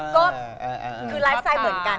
ก็คือไลฟ์สไตล์เหมือนกัน